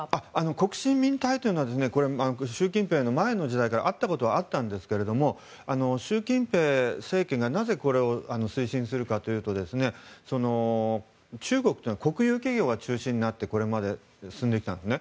国進民退というのは習近平の前の時代からあったことはあったんですけれども習近平政権がなぜこれを推進するかというと中国というのは国有企業が中心になってこれまで進んできたんですね。